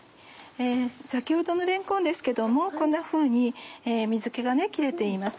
先ほどのれんこんですけどもこんなふうに水気が切れています。